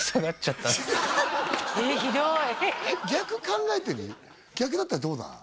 ひどい逆考えてみ逆だったらどうだ？